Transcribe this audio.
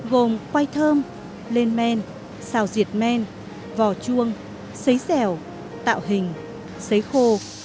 gồm quay thơm lên men xào diệt men vò chuông xấy dẻo tạo hình xấy khô